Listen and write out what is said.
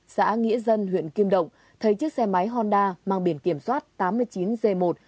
xã nghĩa dân huyện kim động thấy chiếc xe máy honda mang biển kiểm soát tám mươi chín g một trăm linh sáu nghìn tám trăm bốn mươi năm